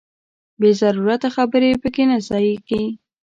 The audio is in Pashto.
بې ضرورته خبرې پکې نه ځاییږي.